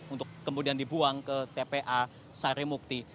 untuk kemudian dibuang ke tpa sarimukti